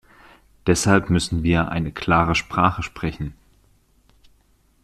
Deshalb müssen wir eine klare Sprache sprechen.